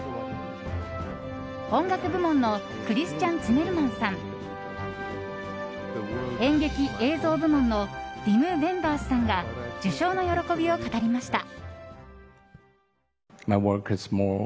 音楽部門のクリスチャン・ツィメルマンさん演劇・映像部門のヴィム・ヴェンダースさんが受賞の喜びを語りました。